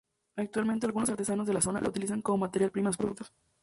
Actualmente algunos artesanos de la zona las utilizan como materia prima de sus productos.